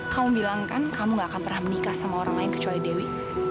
kamu bilang kan kamu gak akan pernah menikah sama orang lain kecuali dewi